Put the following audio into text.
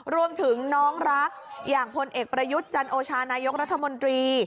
รวมถึงน้องรักอย่างพลเอกประยุทธ์จันโอชานายกรัฐมนตรี